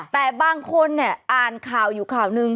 แต่บางคนอ่านข่าวอยู่ข่าวหนึ่ง